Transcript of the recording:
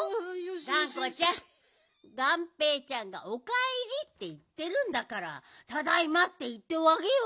がんこちゃんがんぺーちゃんが「おかえり」っていってるんだから「ただいま」っていっておあげよ。